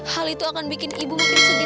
hal itu akan bikin ibu makin sedih